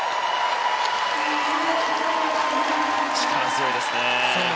力強いですね。